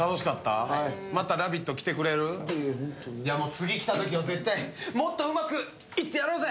次来たときは、もっとうまくいってやろうぜ！